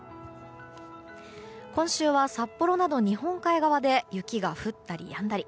今週は札幌など日本海側で雪が降ったりやんだり。